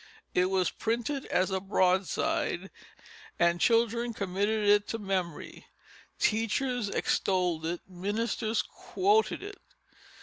It was printed as a broadside, and children committed it to memory; teachers extolled it; ministers quoted it.